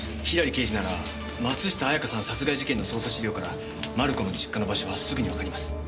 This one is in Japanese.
左刑事なら松下綾香さん殺害事件の捜査資料からマルコの実家の場所はすぐにわかります。